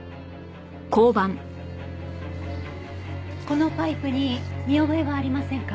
このパイプに見覚えはありませんか？